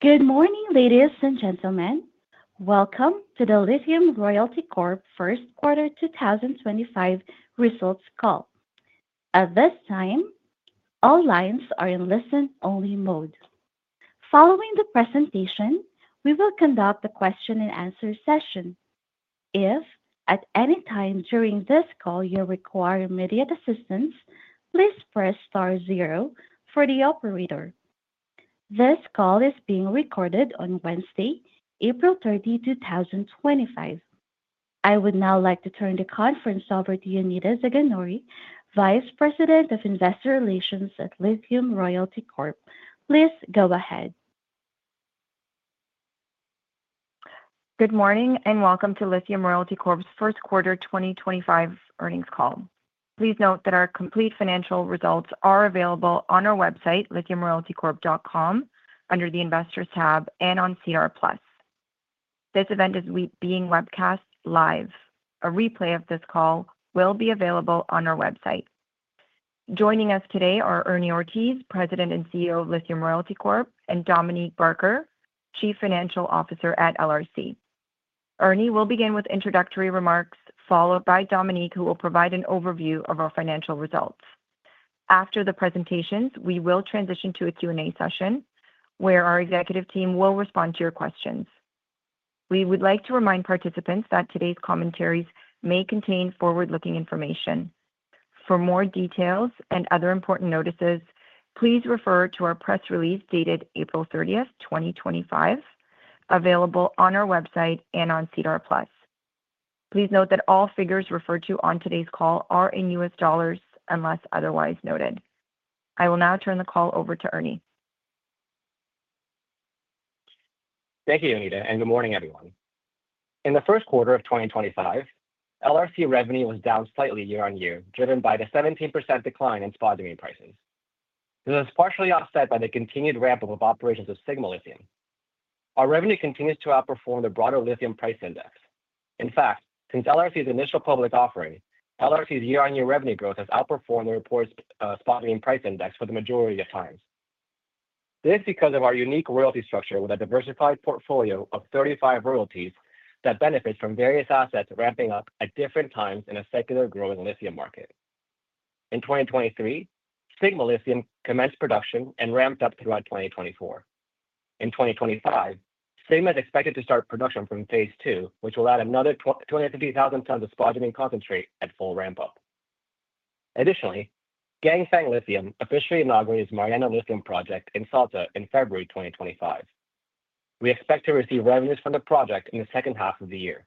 Good morning, ladies and gentlemen. Welcome to the Lithium Royalty Corp First Quarter 2025 Results Call. At this time, all lines are in listen-only mode. Following the presentation, we will conduct a question-and-answer session. If, at any time during this call, you require immediate assistance, please press star zero for the operator. This call is being recorded on Wednesday, April 30, 2025. I would now like to turn the conference over to Jonida Zaganjori, Vice President of Investor Relations at Lithium Royalty Corp. Please go ahead. Good morning and welcome to Lithium Royalty Corp's First Quarter 2025 Earnings Call. Please note that our complete financial results are available on our website, lithiumroyaltycorp.com, under the Investors tab, and on CR Plus. This event is being webcast live. A replay of this call will be available on our website. Joining us today are Ernie Ortiz, President and CEO of Lithium Royalty Corp, and Dominique Barker, Chief Financial Officer at LRC. Ernie will begin with introductory remarks, followed by Dominique, who will provide an overview of our financial results. After the presentations, we will transition to a Q&A session where our executive team will respond to your questions. We would like to remind participants that today's commentaries may contain forward-looking information. For more details and other important notices, please refer to our press release dated April 30, 2025, available on our website and on SEDAR+. Please note that all figures referred to on today's call are in U.S. dollars unless otherwise noted. I will now turn the call over to Ernie. Thank you, Jonida, and good morning, everyone. In the first quarter of 2025, LRC revenue was down slightly year-on-year, driven by the 17% decline in spodumene prices. This is partially offset by the continued ramp-up of operations of Sigma Lithium. Our revenue continues to outperform the broader lithium price index. In fact, since LRC's initial public offering, LRC's year-on-year revenue growth has outperformed the reported spodumene price index for the majority of times. This is because of our unique royalty structure with a diversified portfolio of 35 royalties that benefits from various assets ramping up at different times in a secular growing lithium market. In 2023, Sigma Lithium commenced production and ramped up throughout 2024. In 2025, Sigma is expected to start production from phase two, which will add another 250,000 tons of spodumene concentrate at full ramp-up. Additionally, Ganfeng Lithium officially inaugurates Mariana Lithium Project in Salta in February 2025. We expect to receive revenues from the project in the second half of the year.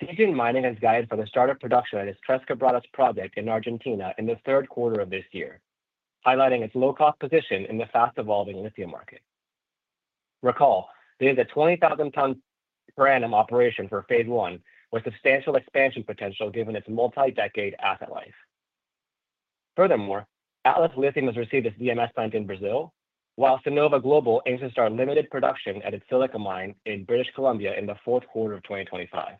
Sigma Mining has guided for the start of production at its Tres Quebradas project in Argentina in the third quarter of this year, highlighting its low-cost position in the fast-evolving lithium market. Recall, it is a 20,000-ton per annum operation for phase one with substantial expansion potential given its multi-decade asset life. Furthermore, Atlas Lithium has received its DMS plant in Brazil, while Cinnova Global aims to start limited production at its silica mine in British Columbia in the fourth quarter of 2025.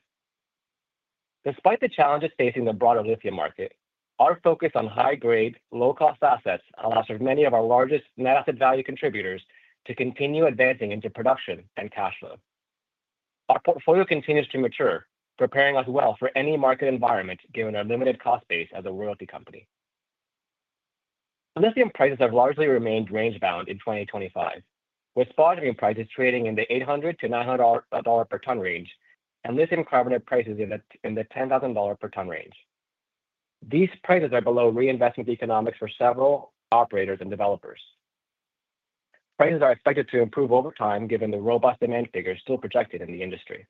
Despite the challenges facing the broader lithium market, our focus on high-grade, low-cost assets allows for many of our largest net asset value contributors to continue advancing into production and cash flow. Our portfolio continues to mature, preparing us well for any market environment given our limited cost base as a royalty company. Lithium prices have largely remained range-bound in 2025, with spodumene prices trading in the $800-$900 per ton range and lithium carbonate prices in the $10,000 per ton range. These prices are below reinvestment economics for several operators and developers. Prices are expected to improve over time given the robust demand figures still projected in the industry.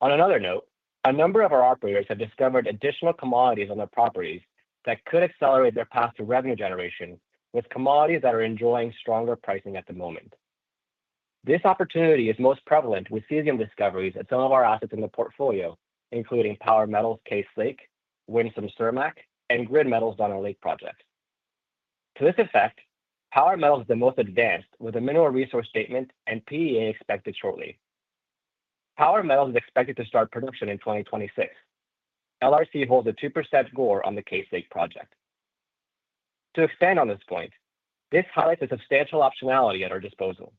On another note, a number of our operators have discovered additional commodities on their properties that could accelerate their path to revenue generation, with commodities that are enjoying stronger pricing at the moment. This opportunity is most prevalent with cesium discoveries at some of our assets in the portfolio, including Power Metals Case Lake, Winsome Sirmac, and Grid Metals Donnell Lake projects. To this effect, Power Metals is the most advanced, with a mineral resource statement and PEA expected shortly. Power Metals is expected to start production in 2026. LRC holds a 2% GOR on the Case Lake project. To expand on this point, this highlights the substantial optionality at our disposal.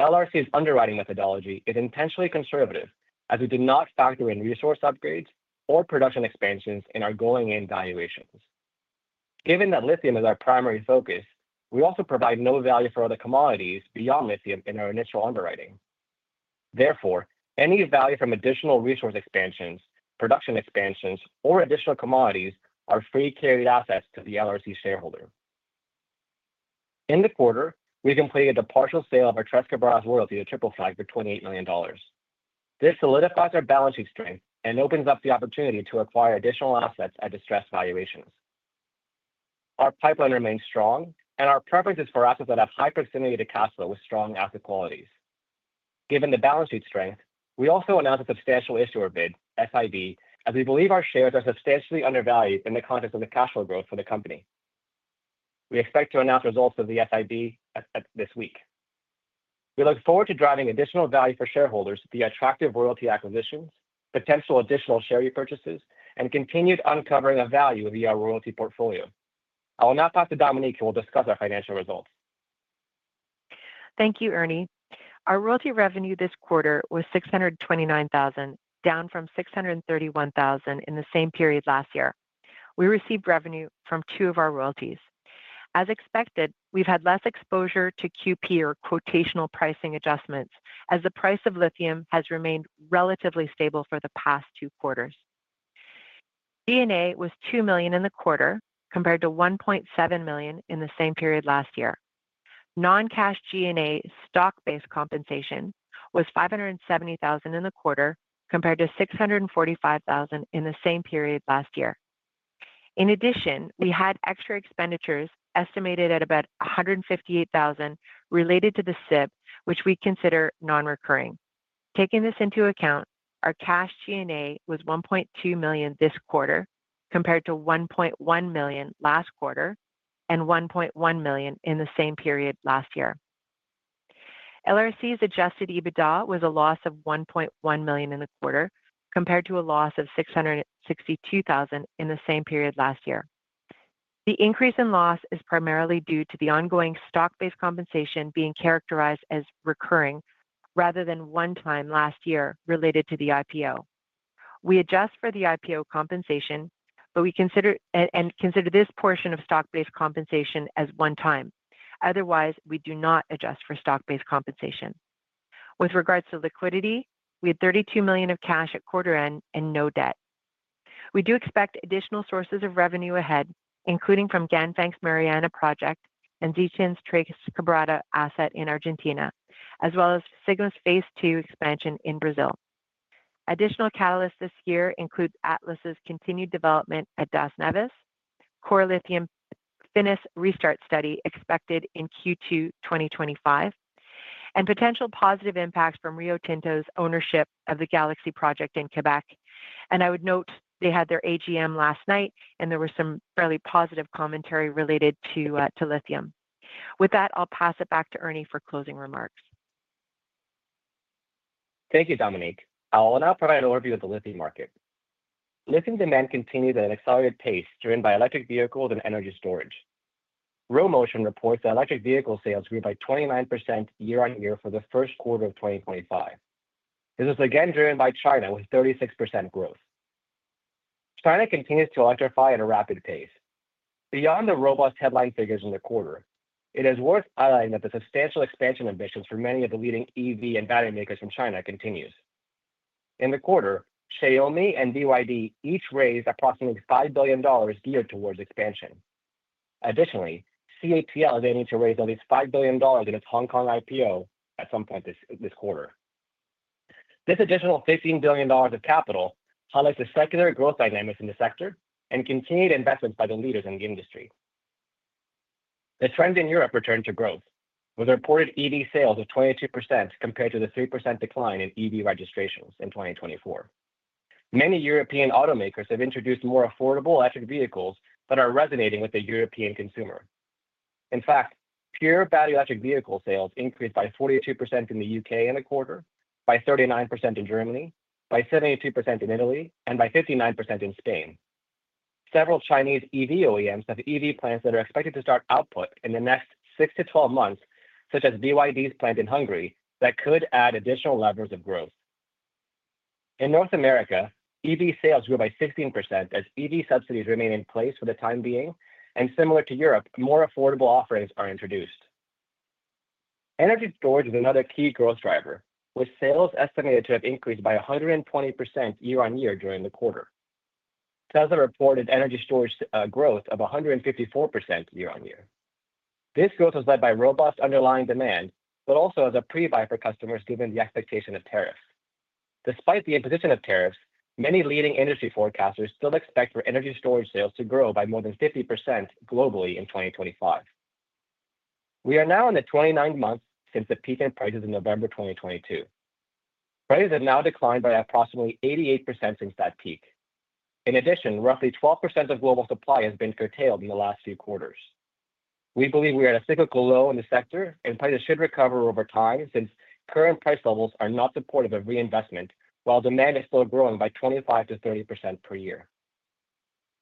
LRC's underwriting methodology is intentionally conservative as we do not factor in resource upgrades or production expansions in our going-in valuations. Given that lithium is our primary focus, we also provide no value for other commodities beyond lithium in our initial underwriting. Therefore, any value from additional resource expansions, production expansions, or additional commodities are free-carried assets to the LRC shareholder. In the quarter, we completed a partial sale of our Tres Quebradas royalty to Triple Flag for $28 million. This solidifies our balance sheet strength and opens up the opportunity to acquire additional assets at distressed valuations. Our pipeline remains strong, and our preference is for assets that have high proximity to cash flow with strong asset qualities. Given the balance sheet strength, we also announced a substantial issuer bid, SIB, as we believe our shares are substantially undervalued in the context of the cash flow growth for the company. We expect to announce results of the SIB this week. We look forward to driving additional value for shareholders via attractive royalty acquisitions, potential additional share repurchases, and continued uncovering of value via our royalty portfolio. I will now pass to Dominique, who will discuss our financial results. Thank you, Ernie. Our royalty revenue this quarter was $629,000, down from $631,000 in the same period last year. We received revenue from two of our royalties. As expected, we've had less exposure to QP or quotational pricing adjustments as the price of lithium has remained relatively stable for the past two quarters. G&A was $2 million in the quarter compared to $1.7 million in the same period last year. Non-cash G&A stock-based compensation was $570,000 in the quarter compared to $645,000 in the same period last year. In addition, we had extra expenditures estimated at about $158,000 related to the SIB, which we consider non-recurring. Taking this into account, our cash G&A was $1.2 million this quarter compared to $1.1 million last quarter and $1.1 million in the same period last year. LRC's adjusted EBITDA was a loss of $1.1 million in the quarter compared to a loss of $662,000 in the same period last year. The increase in loss is primarily due to the ongoing stock-based compensation being characterized as recurring rather than one-time last year related to the IPO. We adjust for the IPO compensation, but we consider this portion of stock-based compensation as one-time. Otherwise, we do not adjust for stock-based compensation. With regards to liquidity, we had $32 million of cash at quarter-end and no debt. We do expect additional sources of revenue ahead, including from Ganfeng's Mariana project and Triple Flag's Tres Quebradas asset in Argentina, as well as Sigma's phase two expansion in Brazil. Additional catalysts this year include Atlas Lithium's continued development at Das Neves, Core Lithium Finniss restart study expected in Q2 2025, and potential positive impacts from Rio Tinto's ownership of the Galaxy project in Quebec. I would note they had their AGM last night, and there was some fairly positive commentary related to lithium. With that, I'll pass it back to Ernie for closing remarks. Thank you, Dominique. I will now provide an overview of the lithium market. Lithium demand continues at an accelerated pace driven by electric vehicles and energy storage. Rho Motion reports that electric vehicle sales grew by 29% year-on-year for the first quarter of 2025. This was again driven by China, with 36% growth. China continues to electrify at a rapid pace. Beyond the robust headline figures in the quarter, it is worth highlighting that the substantial expansion ambitions for many of the leading EV and battery makers from China continue. In the quarter, Xiaomi and BYD each raised approximately $5 billion geared towards expansion. Additionally, CATL is aiming to raise at least $5 billion in its Hong Kong IPO at some point this quarter. This additional $15 billion of capital highlights the secular growth dynamics in the sector and continued investments by the leaders in the industry. The trend in Europe returned to growth, with reported EV sales of 22% compared to the 3% decline in EV registrations in 2024. Many European automakers have introduced more affordable electric vehicles that are resonating with the European consumer. In fact, pure battery electric vehicle sales increased by 42% in the U.K. in the quarter, by 39% in Germany, by 72% in Italy, and by 59% in Spain. Several Chinese EV OEMs have EV plants that are expected to start output in the next 6 months - 12 months, such as BYD's plant in Hungary, that could add additional levers of growth. In North America, EV sales grew by 16% as EV subsidies remain in place for the time being, and similar to Europe, more affordable offerings are introduced. Energy storage is another key growth driver, with sales estimated to have increased by 120% year-on-year during the quarter. Tesla reported energy storage growth of 154% year-on-year. This growth was led by robust underlying demand, but also as a pre-buy for customers given the expectation of tariffs. Despite the imposition of tariffs, many leading industry forecasters still expect for energy storage sales to grow by more than 50% globally in 2025. We are now in the 29 months since the peak in prices in November 2022. Prices have now declined by approximately 88% since that peak. In addition, roughly 12% of global supply has been curtailed in the last few quarters. We believe we are at a cyclical low in the sector, and prices should recover over time since current price levels are not supportive of reinvestment while demand is still growing by 25% - 30% per year.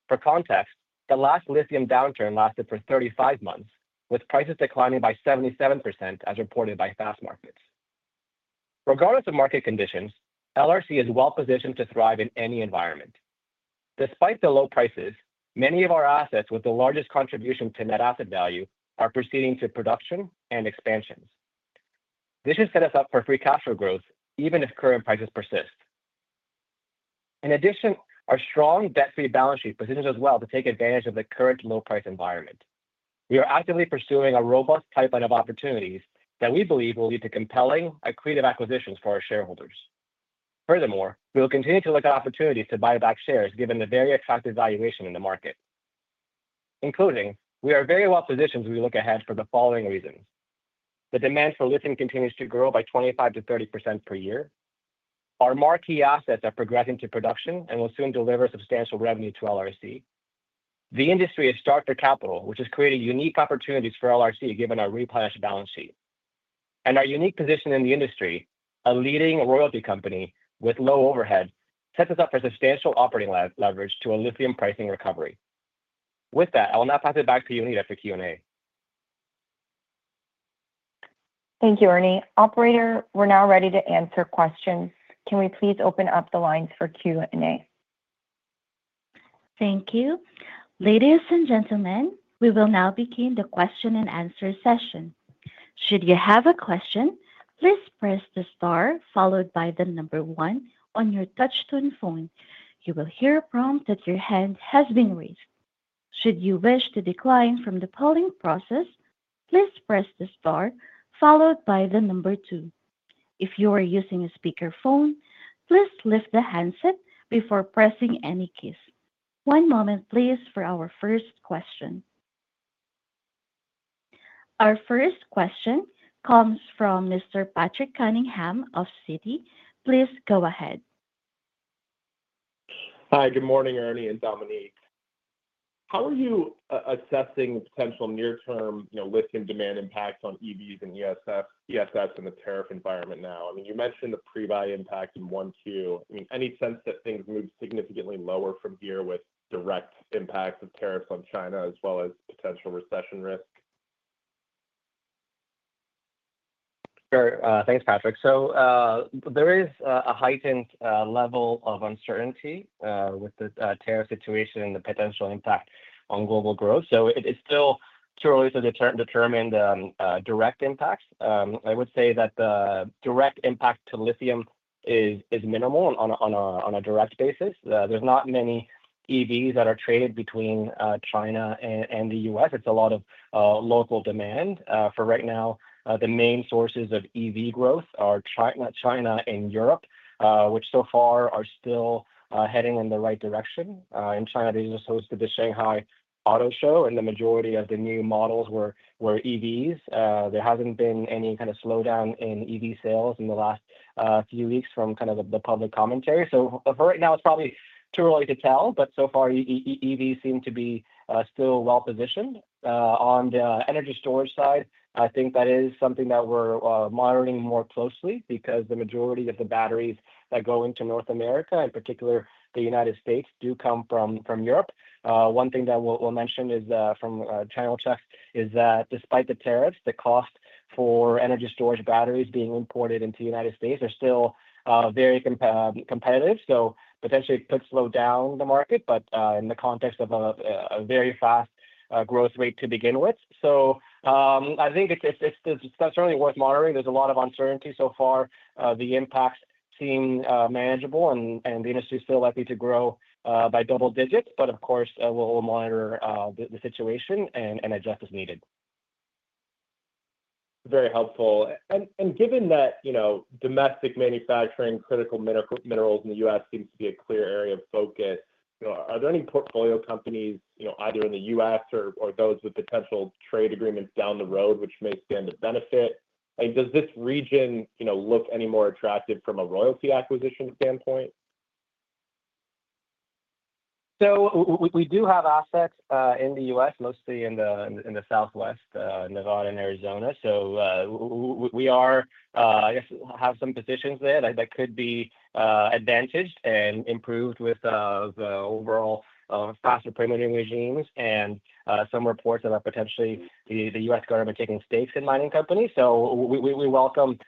For context, the last lithium downturn lasted for 35 months, with prices declining by 77% as reported by Fastmarkets. Regardless of market conditions, LRC is well-positioned to thrive in any environment. Despite the low prices, many of our assets with the largest contribution to net asset value are proceeding to production and expansions. This should set us up for free cash flow growth, even if current prices persist. In addition, our strong debt-free balance sheet positions us well to take advantage of the current low-price environment. We are actively pursuing a robust pipeline of opportunities that we believe will lead to compelling, accretive acquisitions for our shareholders. Furthermore, we will continue to look at opportunities to buy back shares given the very attractive valuation in the market. Including, we are very well-positioned as we look ahead for the following reasons: the demand for lithium continues to grow by 25% - 30% per year; our marquee assets are progressing to production and will soon deliver substantial revenue to LRC; the industry is starved for capital, which has created unique opportunities for LRC given our replenished balance sheet; and our unique position in the industry, a leading royalty company with low overhead, sets us up for substantial operating leverage to a lithium pricing recovery. With that, I will now pass it back to Jonida for Q&A. Thank you, Ernie. Operator, we're now ready to answer questions. Can we please open up the lines for Q&A? Thank you. Ladies and gentlemen, we will now begin the question and answer session. Should you have a question, please press the star followed by the number one on your touchscreen phone. You will hear a prompt that your hand has been raised. Should you wish to decline from the polling process, please press the star followed by the number two. If you are using a speakerphone, please lift the handset before pressing any keys. One moment, please, for our first question. Our first question comes from Mr. Patrick Cunningham of Citi. Please go ahead. Hi, good morning, Ernie and Dominique. How are you assessing potential near-term lithium demand impacts on EVs and ESS in the tariff environment now? I mean, you mentioned the pre-buy impact in 1Q. I mean, any sense that things move significantly lower from here with direct impacts of tariffs on China as well as potential recession risk? Sure. Thanks, Patrick. There is a heightened level of uncertainty with the tariff situation and the potential impact on global growth. It is still too early to determine the direct impacts. I would say that the direct impact to lithium is minimal on a direct basis. There are not many EVs that are traded between China and the U.S. It is a lot of local demand. For right now, the main sources of EV growth are China and Europe, which so far are still heading in the right direction. In China, they just hosted the Shanghai Auto Show, and the majority of the new models were EVs. There has not been any kind of slowdown in EV sales in the last few weeks from kind of the public commentary. For right now, it is probably too early to tell, but so far, EVs seem to be still well-positioned. On the energy storage side, I think that is something that we're monitoring more closely because the majority of the batteries that go into North America, in particular the U.S., do come from Europe. One thing that we'll mention from channel checks is that despite the tariffs, the cost for energy storage batteries being imported into the U.S. are still very competitive. Potentially, it could slow down the market, but in the context of a very fast growth rate to begin with. I think it's certainly worth monitoring. There's a lot of uncertainty so far. The impacts seem manageable, and the industry is still likely to grow by double digits. Of course, we'll monitor the situation and adjust as needed. Very helpful. Given that domestic manufacturing critical minerals in the U.S. seems to be a clear area of focus, are there any portfolio companies either in the U.S. or those with potential trade agreements down the road which may stand to benefit? Does this region look any more attractive from a royalty acquisition standpoint? We do have assets in the U.S., mostly in the Southwest, Nevada and Arizona. We are, I guess, have some positions there that could be advantaged and improved with the overall faster permitting regimes and some reports about potentially the U.S. government taking stakes in mining companies. We welcome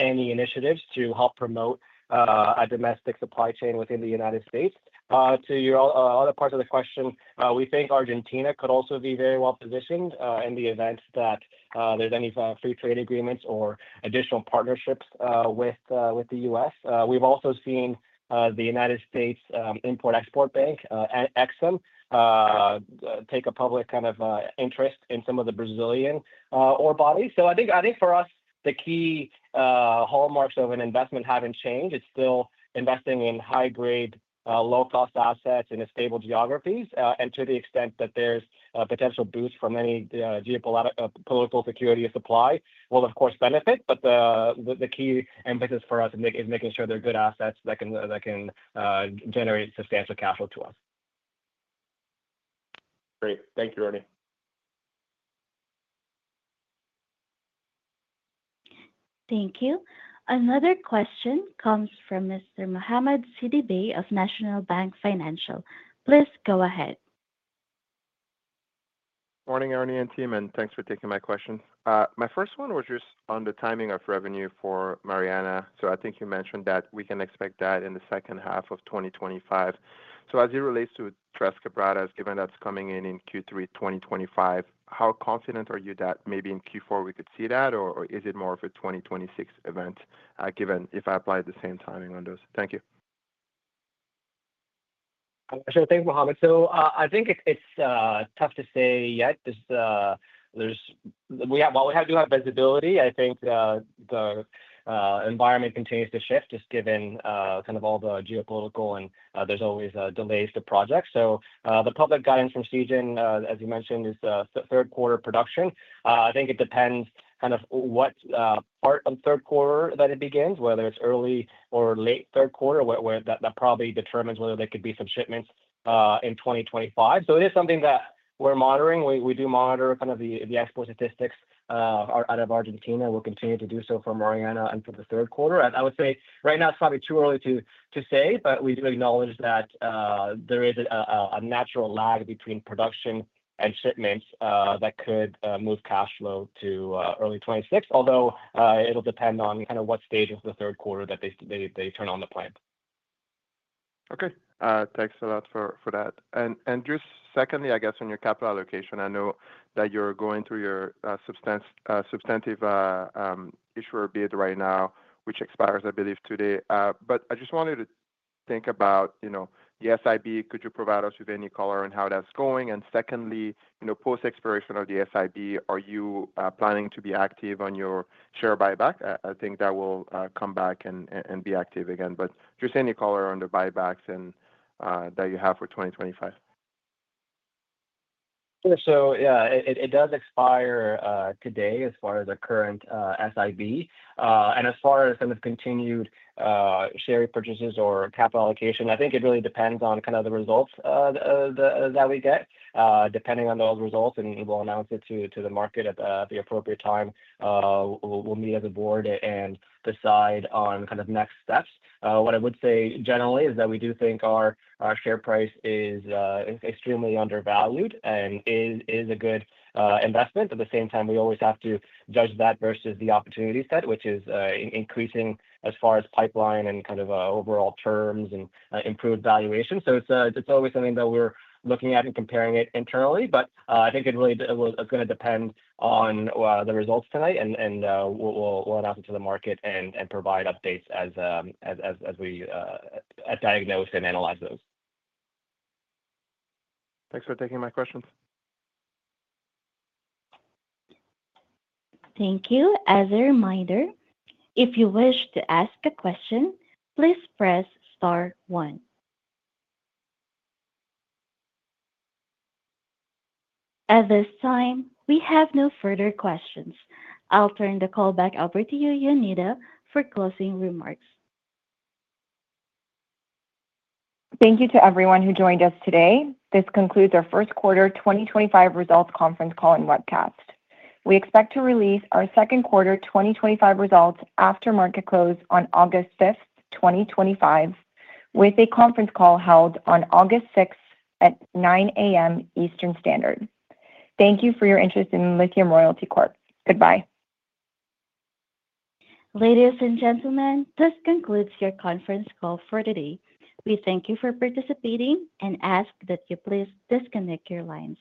any initiatives to help promote a domestic supply chain within the United States. To your other parts of the question, we think Argentina could also be very well-positioned in the event that there are any free trade agreements or additional partnerships with the U.S. We have also seen the U.S. Export-Import Bank, EXIM, take a public kind of interest in some of the Brazilian ore bodies. I think for us, the key hallmarks of an investment have not changed. It is still investing in high-grade, low-cost assets in stable geographies. To the extent that there's a potential boost from any geopolitical security of supply, we'll, of course, benefit. The key emphasis for us is making sure they're good assets that can generate substantial cash flow to us. Great. Thank you, Ernie. Thank you. Another question comes from Mr. Mohammed Sidibé of National Bank Financial. Please go ahead. Morning, Ernie and team, and thanks for taking my questions. My first one was just on the timing of revenue for Mariana. I think you mentioned that we can expect that in the second half of 2025. As it relates to Tres Quebradas, given that's coming in Q3 2025, how confident are you that maybe in Q4 we could see that, or is it more of a 2026 event given if I apply the same timing on those? Thank you. Sure. Thanks, Mohammed. I think it's tough to say yet. There's what we have to have visibility. I think the environment continues to shift just given kind of all the geopolitical, and there's always delays to projects. The public guidance from Citi, as you mentioned, is third quarter production. I think it depends kind of what part of third quarter that it begins, whether it's early or late third quarter, where that probably determines whether there could be some shipments in 2025. It is something that we're monitoring. We do monitor kind of the export statistics out of Argentina. We'll continue to do so for Mariana and for the third quarter. I would say right now, it's probably too early to say, but we do acknowledge that there is a natural lag between production and shipments that could move cash flow to early 2026, although it'll depend on kind of what stage of the third quarter that they turn on the plant. Okay. Thanks a lot for that. Just secondly, I guess, on your capital allocation, I know that you're going through your substantial issuer bid right now, which expires, I believe, today. I just wanted to think about the SIB. Could you provide us with any color on how that's going? Secondly, post-expiration of the SIB, are you planning to be active on your share buyback? I think that will come back and be active again. Just any color on the buybacks that you have for 2025. Sure. Yeah, it does expire today as far as the current SIB. As far as continued share purchases or capital allocation, I think it really depends on the results that we get. Depending on those results, we'll announce it to the market at the appropriate time. We'll meet as a board and decide on next steps. What I would say generally is that we do think our share price is extremely undervalued and is a good investment. At the same time, we always have to judge that versus the opportunity set, which is increasing as far as pipeline and overall terms and improved valuation. It is always something that we're looking at and comparing internally. I think it really is going to depend on the results tonight, and we'll announce it to the market and provide updates as we diagnose and analyze those. Thanks for taking my questions. Thank you. As a reminder, if you wish to ask a question, please press star one. At this time, we have no further questions. I'll turn the call back over to you, Jonida, for closing remarks. Thank you to everyone who joined us today. This concludes our First Quarter 2025 Results Conference Call and Webcast. We expect to release our second quarter 2025 results after market close on August 5, 2025, with a conference call held on August 6 at 9:00 A.M. Eastern Standard. Thank you for your interest in Lithium Royalty Corp Goodbye. Ladies and gentlemen, this concludes your conference call for today. We thank you for participating and ask that you please disconnect your lines.